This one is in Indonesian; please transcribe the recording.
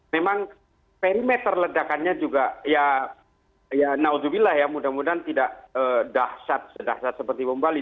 memang perimeter ledakannya juga ya naudhubilah ya mudah mudahan tidak dahsyat sedahsat seperti bom bali